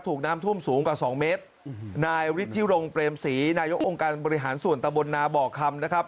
ถูกน้ำท่วมสูงกว่าสองเมตรนายฤทธิรงเปรมศรีนายกองค์การบริหารส่วนตะบนนาบ่อคำนะครับ